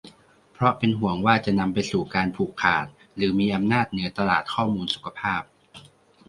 เพราะเป็นห่วงว่าจะนำไปสู่การผูกขาดหรือมีอำนาจเหนือตลาดข้อมูลสุขภาพ